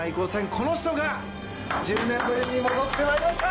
この人が１０年ぶりに戻ってまいりました！